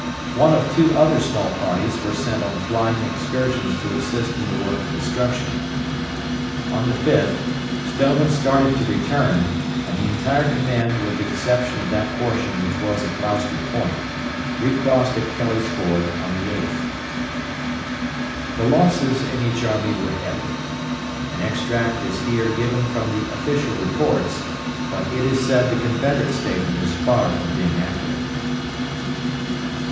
One of two other small parties were sent on flying excursions to assist in the work of destruction. On the 5th, Stoneman started to return, and the entire command with the exception of that portion which was at Gloucester Point, recrossed at Kelly's Ford on the 8th. The losses in each army were heavy. An extract is here given from the official reports, but it is said the Confederate statement is far from being accurate.